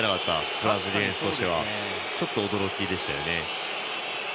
フランスディフェンスとしてはちょっと驚きでしたね。